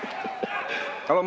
kalau mas ramu